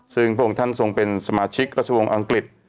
ซึ่งพระองค์ท่านทรงเป็นสมาชิกราชวงศ์อังกฤษ